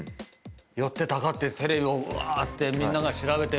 寄ってたかってテレビをうわーってみんなが調べてる中